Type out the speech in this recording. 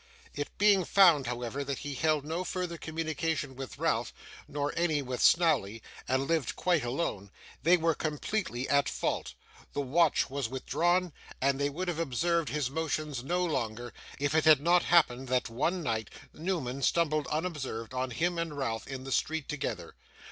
It being found, however, that he held no further communication with Ralph, nor any with Snawley, and lived quite alone, they were completely at fault; the watch was withdrawn, and they would have observed his motions no longer, if it had not happened that, one night, Newman stumbled unobserved on him and Ralph in the street together.